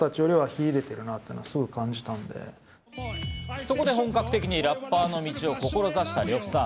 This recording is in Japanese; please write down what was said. そこで本格的にラッパーの道を志した呂布さん。